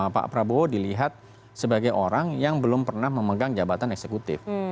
pak prabowo dilihat sebagai orang yang belum pernah memegang jabatan eksekutif